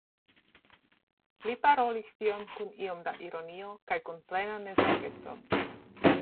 Li parolis tion kun iom da ironio kaj kun plena nezorgeco.